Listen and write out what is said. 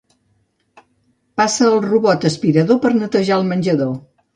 Passa el robot aspirador per netejar el menjador.